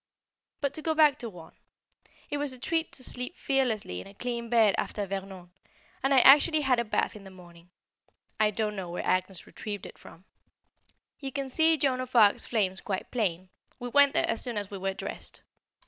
But to go back to Rouen. It was a treat to sleep fearlessly in a clean bed after Vernon, and I actually had a bath in the morning. I don't know where Agnès retrieved it from. [Sidenote: "Coiffer St. Catherine"] You can see Joan of Arc's flames quite plain, we went there as soon as we were dressed.